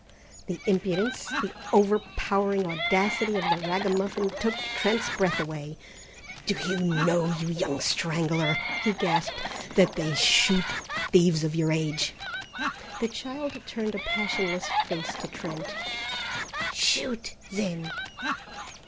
The impudence, the overpowering audacity of the ragamuffin took Trent's breath away. "Do you know, you young strangler," he gasped, "that they shoot thieves of your age?" The child turned a passionless face to Trent. "Shoot, then."